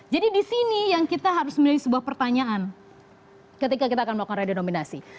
jadi di sini yang kita harus milih sebuah pertanyaan ketika kita akan melakukan redenominasi